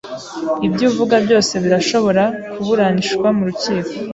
Ibyo uvuga byose birashobora kuburanishwa mu rukiko.